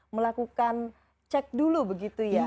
melakukan cek dulu begitu ya